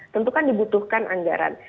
tentu kan dibutuhkan anggaran